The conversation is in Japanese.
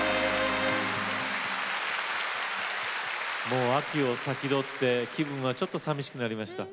もう秋を先取って気分はちょっとさみしくなりました。